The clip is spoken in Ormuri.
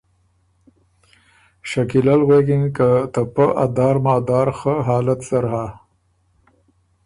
شکیله ل غوېکِن که ”ته پۀ ا دار مادار خه حالات زر هۀ